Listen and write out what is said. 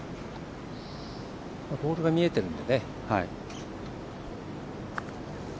ボールが見えてるので。